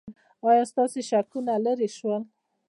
ایا ستاسو شکونه لرې شول؟